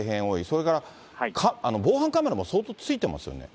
それから防犯カメラも相当ついてますよね。